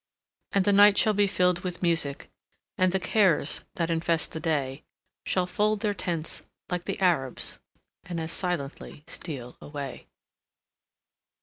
And the night shall be filled with music, And the cares, that infest the day, Shall fold their tents, like the Arabs, And as silently steal away.